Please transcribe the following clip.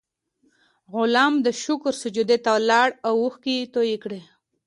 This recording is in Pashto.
غلام د شکر سجدې ته لاړ او اوښکې یې تویې کړې.